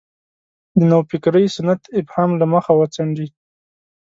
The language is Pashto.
د نوفکرۍ سنت ابهام له مخه وڅنډي.